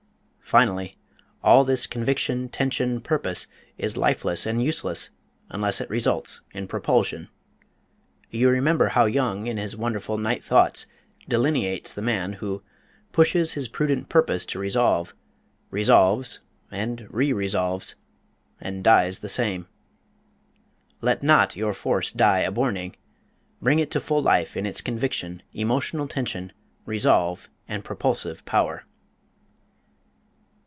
Finally, all this conviction tension purpose is lifeless and useless unless it results in propulsion. You remember how Young in his wonderful "Night Thoughts" delineates the man who Pushes his prudent purpose to resolve, Resolves, and re resolves, and dies the same. Let not your force "die a borning," bring it to full life in its conviction, emotional tension, resolve, and propulsive power.